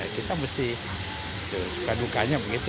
kita mesti suka dukanya begitu